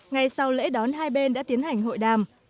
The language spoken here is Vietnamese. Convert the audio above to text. ngay sau lễ đón hai bên đã tiến hành hội đàm